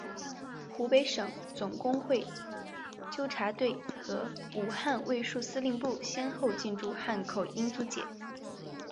湖北省总工会纠察队和武汉卫戍司令部先后进驻汉口英租界。